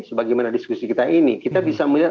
sebagaimana diskusi kita ini kita bisa melihat